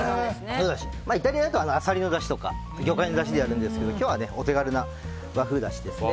イタリアだとアサリのだしとか魚介のだしでやるんですけど今日はお手軽な和風だしですね。